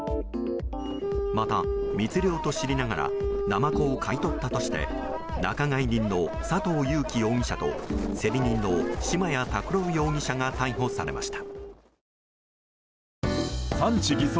また、密漁と知りながらナマコを買い取ったとして仲買人の佐藤由季容疑者とせり人の嶋矢拓郎容疑者が逮捕されました。